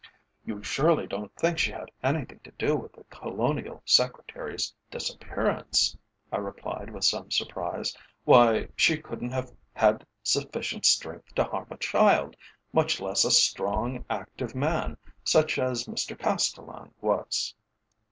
"You surely don't think she had anything to do with the Colonial Secretary's disappearance?" I replied with some surprise. "Why, she couldn't have had sufficient strength to harm a child, much less a strong, active man such as Mr Castellan was."